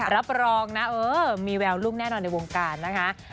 รับรองนะเออมีแววลูกแน่นอนในวงการนะคะ